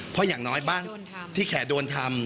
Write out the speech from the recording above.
เพราะอย่างน้อยบ้านที่แขกโดนทำ